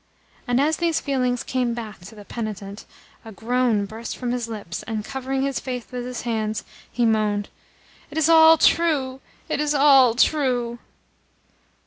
And as these feelings came back to the penitent a groan burst from his lips, and, covering his face with his hands, he moaned: "It is all true, it is all true!"